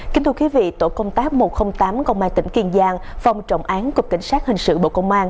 kính thưa quý vị tổ công tác một trăm linh tám công an tỉnh kiên giang phòng trọng án cục cảnh sát hình sự bộ công an